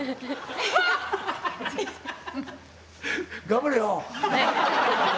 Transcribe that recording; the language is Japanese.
頑張れよ。